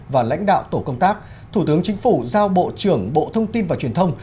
và lãnh đạo tổ công tác thủ tướng chính phủ giao bộ trưởng bộ thông tin và truyền thông